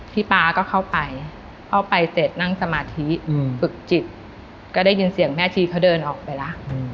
ป๊าก็เข้าไปเข้าไปเสร็จนั่งสมาธิฝึกจิตก็ได้ยินเสียงแม่ชีเขาเดินออกไปแล้ว